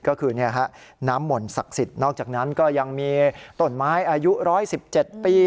ก็คือน้ำหม่นศักดิ์สิทธิ์นอกจากนั้นก็ยังมีต้นไม้อายุ๑๑๗ปี